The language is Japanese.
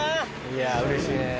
いやうれしいね。